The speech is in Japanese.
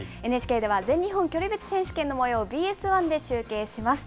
ＮＨＫでは全日本距離別選手権のもようをＢＳ１で中継します。